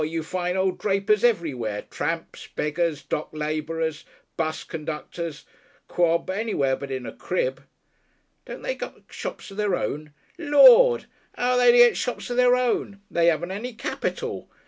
you find old drapers everywhere tramps, beggars, dock labourers, 'bus conductors Quod. Anywhere but in a crib." "Don't they get shops of their own?" "Lord! 'Ow are they to get shops of their own? They 'aven't any capital!